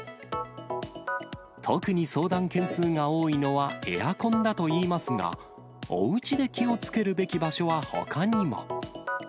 特に相談件数が多いのは、エアコンだといいますが、おうちで気をつけるべき場所は、ほかにも。